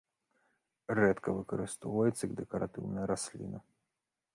Рэдка выкарыстоўваецца як дэкаратыўная расліна.